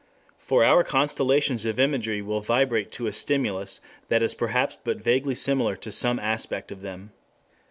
For our constellations of imagery will vibrate to a stimulus that is perhaps but vaguely similar to some aspect of them.